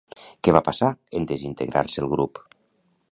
Què va passar en desintegrar-se el grup?